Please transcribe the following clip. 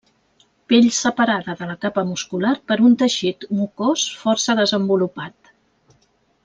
Pell separada de la capa muscular per un teixit mucós força desenvolupat.